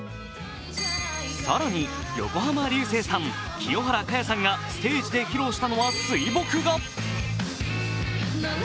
更に、横浜流星さん、清原果耶さんがステージで披露したのは水墨画。